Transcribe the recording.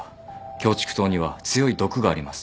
キョウチクトウには強い毒があります。